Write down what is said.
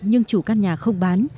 nhưng chủ căn nhà không bán